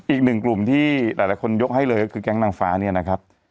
อีกหนึ่งกลุ่มที่หลายคนยกให้เลยก็คือแก๊งนางฟ้าเนี่ยนะครับ